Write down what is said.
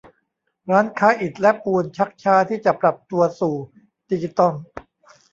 ร้านค้าอิฐและปูนชักช้าที่จะปรับตัวสู่ดิจิตอล